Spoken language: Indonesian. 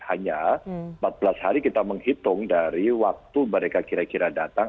hanya empat belas hari kita menghitung dari waktu mereka kira kira datang